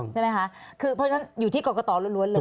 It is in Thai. ใช่ไหมคะคือเพราะฉะนั้นอยู่ที่กรกตล้วนเลย